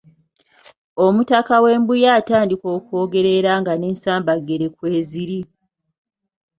Omutaka w'e Mbuya atandika okwogera era nga n'ensambaggere kw'eziri